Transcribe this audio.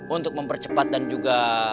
untuk mempercepat dan juga